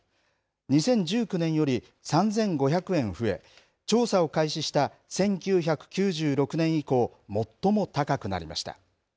２０１９年より３５００円増え調査を開始した１９９６年以降最も高くなりました。